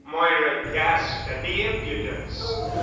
Moira gasped at the impudence.